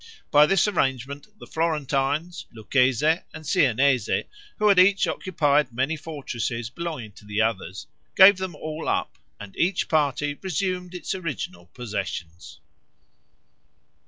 By this arrangement the Florentines, Lucchese, and Siennese, who had each occupied many fortresses belonging to the others, gave them all up, and each party resumed its original possessions.